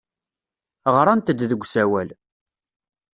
Ɣrant-d deg usawal.